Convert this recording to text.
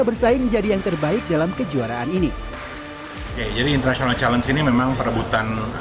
bersaing menjadi yang terbaik dalam kejuaraan ini oke jadi international challenge ini memang perebutan